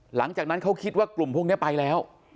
หลังจากนั้นเขาคิดว่ากลุ่มพวกนี้ไปแล้ว